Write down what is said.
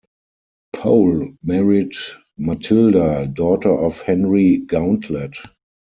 Pole married Matilda, daughter of Henry Gauntlett.